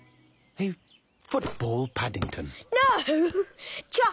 えっ？